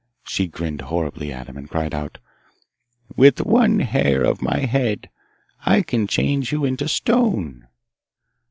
She grinned horribly at him, and cried out, 'With one hair of my head I can change you into stone.